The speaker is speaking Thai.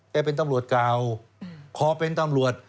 แกเป็นตำรวจกวาวขอเป็นตำรวจ